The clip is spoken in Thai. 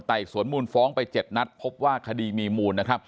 ไต่สวนมูลฟ้องไป๗นับพบว่าคดีมีมูล